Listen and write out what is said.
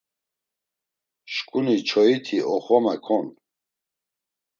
Şǩuni çoyiti oxvame kon.